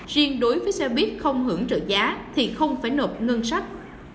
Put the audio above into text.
riêng đối với xe buýt không hưởng trợ giá thì không phải nộp ngân sách